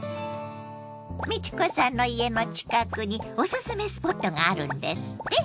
美智子さんの家の近くにおすすめスポットがあるんですって？